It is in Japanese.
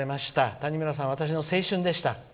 谷村さんは私の青春でした。